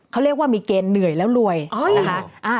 เขาเรียกว่ามีเกณฑ์เหนื่อยแล้วรวยนะคะ